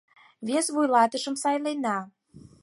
Вес вуйлатышым сайлена...